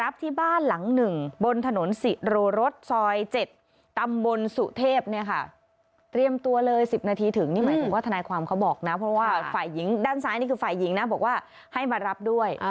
ด้านซ้ายนี่คือฝ่ายหญิงนะบอกว่าให้มารับด้วย